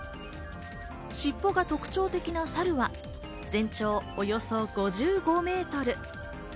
しっぽが特徴的なサルは、全長およそ５５メートル。